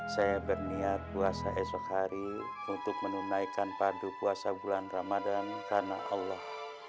saya berniat puasa esok hari untuk menunaikan padu puasa bulan ramadhan karena allah